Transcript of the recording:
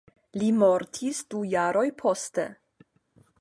Li mortis du jaroj poste.